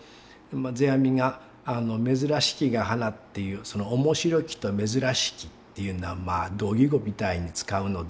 まあ世阿弥が「珍しきが花」っていうその「面白き」と「珍しき」っていうのはまあ同意語みたいに使うのだっていうふうに伝書で言います。